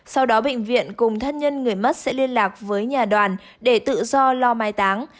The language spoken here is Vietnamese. sau đó bệnh viện cùng thân nhân người mất sẽ liên lạc với nhà đoàn để tự do lo mai táng